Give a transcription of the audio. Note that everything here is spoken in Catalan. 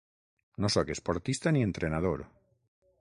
No sóc esportista ni entrenador.